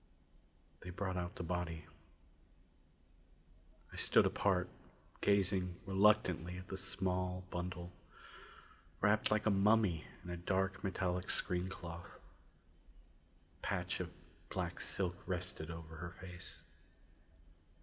They brought out the body. I stood apart, gazing reluctantly at the small bundle, wrapped like a mummy in a dark metallic screen cloth. A patch of black silk rested over her face.